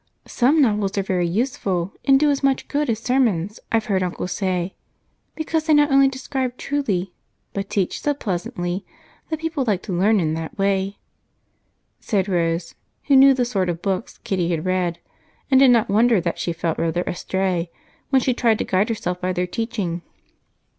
"Some novels are very useful and do as much good as sermons, I've heard Uncle say, because they not only describe truly, but teach so pleasantly that people like to learn in that way," said Rose, who knew the sort of books Kitty had read and did not wonder that she felt rather astray when she tried to guide herself by their teaching.